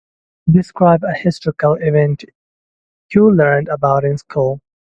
Describe a historical event you learned about in school.